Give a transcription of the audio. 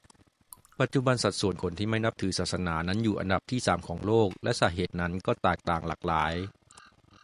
ปัจจุบันสัดส่วนคนที่ไม่นับถือศาสนานั้นอยู่อันดับที่สามของโลก และสาเหตุนั้นก็แตกต่างหลากหลาย